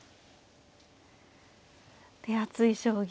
手厚い将棋。